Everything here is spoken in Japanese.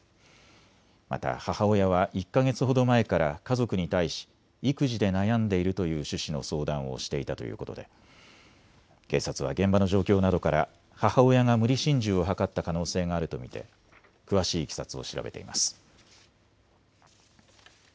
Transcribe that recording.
また母親は１か月ほど前から家族に対し育児で悩んでいるという趣旨の相談をしていたということで警察は現場の状況などから母親が無理心中を図った可能性があると見て詳しいいきさつを調べています。